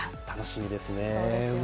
楽しみですね。